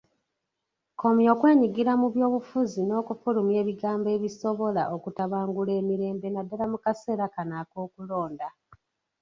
Komya okweyingiza mu by'obufuzi n'okufulumya ebigambo ebisobola okutabangula emirembe naddala mu kaseera kano ak'okulonda.